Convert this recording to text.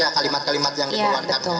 itu aja kalimat kalimat yang dikeluarkan